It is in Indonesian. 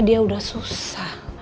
dia udah susah